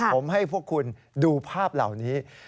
ผมให้พวกคุณดูภาพเหล่านี้